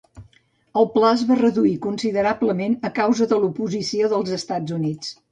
El pla es va reduir considerablement a causa de l'oposició dels Estats Units.